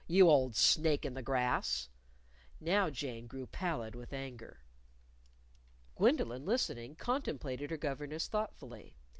you old snake in the grass!" Now Jane grew pallid with anger. Gwendolyn, listening, contemplated her governess thoughtfully.